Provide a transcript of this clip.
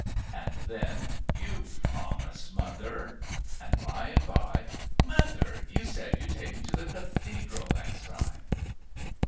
and then, "You promised, mother," and by and by, "Mother, you said you'd take me to the cathedral next time."